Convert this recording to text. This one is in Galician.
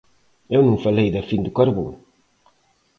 Eu non falei da fin do carbón.